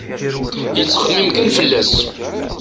Yettxemmim kan fell-as.